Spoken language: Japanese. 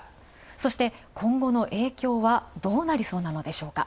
そして、今後の影響はどうなりそうなのでしょうか。